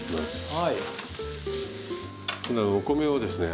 はい。